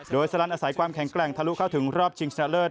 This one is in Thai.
โดยสลันอาศัยความแข็งแกร่งทะลุเข้าถึงรอบชิงชนะเลิศ